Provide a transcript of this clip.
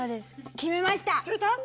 決めました！